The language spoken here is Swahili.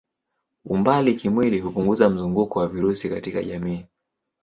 Umbali kimwili hupunguza mzunguko wa virusi katika jamii.